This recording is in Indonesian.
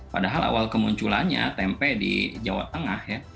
padahal awal kemunculannya tempe di jawa tengah ya